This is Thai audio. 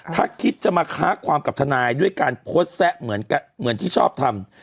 ถ้าคิดจะมาค้าความกับทนายด้วยการโพสต์แซะเหมือนที่ชอบทำ